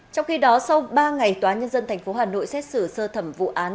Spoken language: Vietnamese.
trong khi đó sau ba ngày tnthh xét xử sơ thẩm vụ án